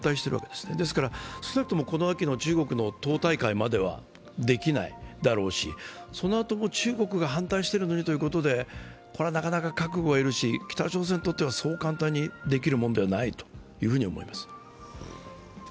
ですから、少なくともこの秋の中国の党大会まではできないだろうしそのあとも中国が反対しているのにということでなかなか覚悟が要るし、北朝鮮にとってはそう簡単にできるものではないと思います。